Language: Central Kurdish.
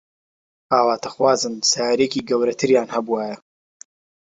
ئاواتەخوازن سەیارەیەکی گەورەتریان هەبوایە.